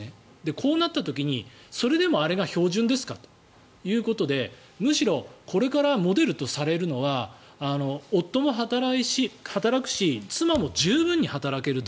こうなった時に、それでもあれが標準ですかということでむしろこれからモデルとされるのは夫も働くし妻も十分に働けると。